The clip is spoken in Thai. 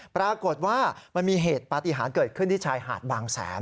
ปรากฏว่ามันมีเหตุปฏิหารเกิดขึ้นที่ชายหาดบางแสน